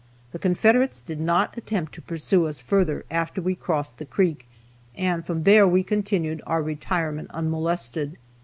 The Confederates did not attempt to pursue us further after we crossed the creek, and from there we continued our retirement unmolested.